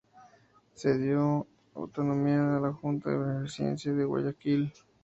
Se dio autonomía a la Junta de Beneficencia de Guayaquil.